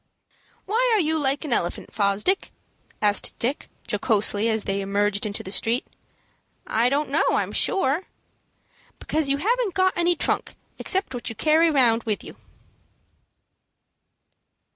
"Why are you like an elephant, Fosdick?" asked Dick, jocosely, as they emerged into the street. "I don't know, I'm sure." "Because you haven't got any trunk except what you carry round with you."